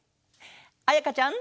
あやかちゃん。